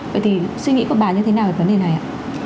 vậy thì suy nghĩ của bà như thế nào về vấn đề này ạ